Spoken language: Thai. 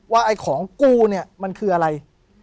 ไอ้ของกู้เนี่ยมันคืออะไร